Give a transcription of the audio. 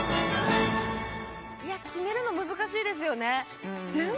いや決めるの難しいですよね。